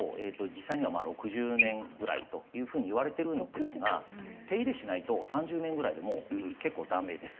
実際には６０年ぐらいという風にいわれてるんですが手入れしないと３０年ぐらいでもう結構ダメです。